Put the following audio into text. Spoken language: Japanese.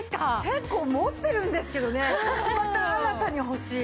結構持ってるんですけどねまた新たに欲しい。